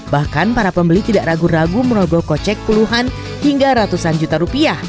bahkan para pembeli tidak ragu ragu merogoh kocek puluhan hingga ratusan juta rupiah